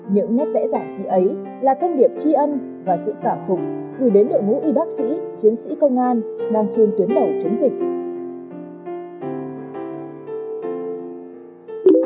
những nét vẽ giản dị ấy là thông điệp tri ân và sự cảm phục gửi đến đội ngũ y bác sĩ chiến sĩ công an đang trên tuyến đầu chống dịch